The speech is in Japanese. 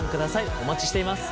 お待ちしています。